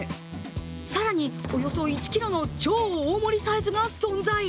更に、およそ１ｋｇの超大盛りサイズが存在。